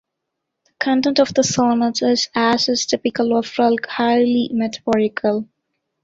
The content of the sonnets is, as is typical of Rilke, highly metaphorical.